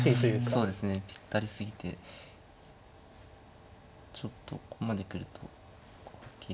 そうですねぴったりすぎてちょっとここまで来るとはっきり。